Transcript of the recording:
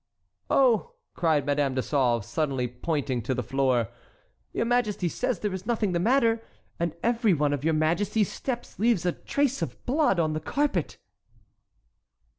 "Oh!" cried Madame de Sauve, suddenly pointing to the floor, "your majesty says there is nothing the matter, and every one of your majesty's steps leaves a trace of blood on the carpet!"